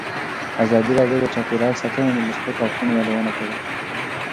ازادي راډیو د چاپیریال ساتنه د مثبتو اړخونو یادونه کړې.